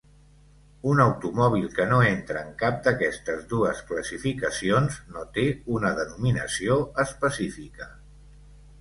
Un automòbil que no entra en cap d'aquestes dues classificacions no té una denominació específica.